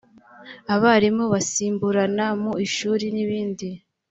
abarimu basimburana mu ishuri n’ibindi